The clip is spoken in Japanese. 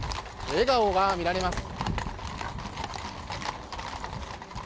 笑顔が見られます。